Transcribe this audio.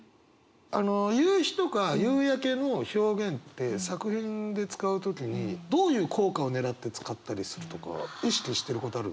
あの夕日とか夕焼けの表現って作品で使う時にどういう効果をねらって使ったりするとか意識してることあるんですか？